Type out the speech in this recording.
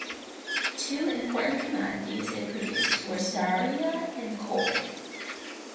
Two important commodities it produced were saria and coal.